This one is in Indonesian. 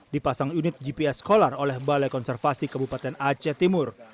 dipasang unit gps kolar oleh balai konservasi kabupaten aceh timur